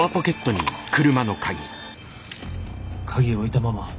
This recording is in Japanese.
鍵置いたまま。